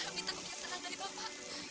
saya minta kegiasan dari bapak